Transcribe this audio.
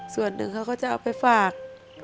ส่วนหนึ่งเขาก็จะเอาไปฝาก